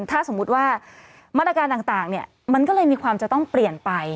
ถ้าสมมุติว่ามาตรการต่างมันก็เลยมีความจะต้องเปลี่ยนไป